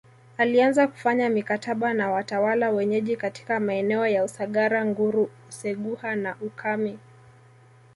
Alianza kufanya mikataba na watawala wenyeji katika maeneo ya Usagara Nguru Useguha na Ukami